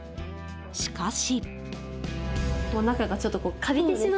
しかし。